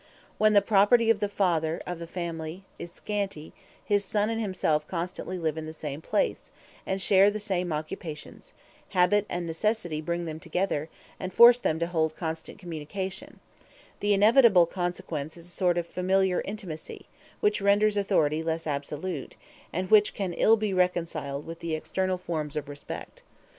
When the property of the father of a family is scanty, his son and himself constantly live in the same place, and share the same occupations: habit and necessity bring them together, and force them to hold constant communication: the inevitable consequence is a sort of familiar intimacy, which renders authority less absolute, and which can ill be reconciled with the external forms of respect.